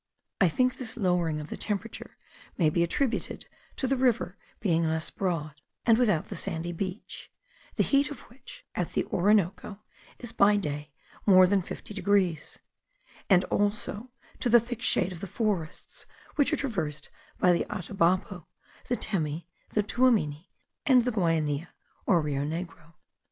I think this lowering of the temperature may be attributed to the river being less broad, and without the sandy beach, the heat of which, at the Orinoco, is by day more than 50 degrees, and also to the thick shade of the forests which are traversed by the Atabapo, the Temi, the Tuamini, and the Guainia, or Rio Negro.